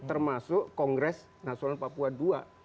termasuk kongres nasional papua ii